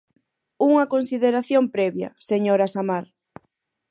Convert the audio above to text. Unha consideración previa, señora Samar.